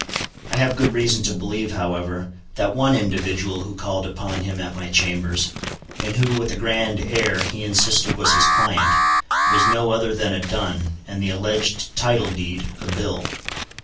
I have good reason to believe, however, that one individual who called upon him at my chambers, and who, with a grand air, he insisted was his client, was no other than a dun, and the alleged title deed, a bill.